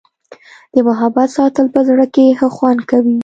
د محبت ساتل په زړه کي ښه خوند کوي.